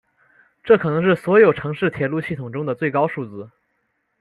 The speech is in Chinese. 这可能是所有城市铁路系统中的最高数字。